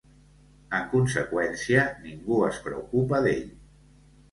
En conseqüència, ningú es preocupa d'ell.